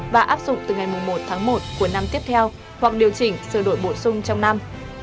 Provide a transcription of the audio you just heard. và áp dụng từ ngày một tháng một của năm tiếp theo hoặc điều chỉnh sửa đổi bổ sung trong năm